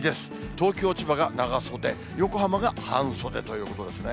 東京、千葉が長袖、横浜が半袖ということですね。